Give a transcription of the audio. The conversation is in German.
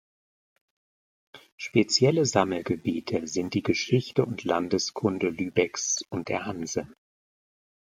Spezielle Sammelgebiete sind die Geschichte und Landeskunde Lübecks und der Hanse.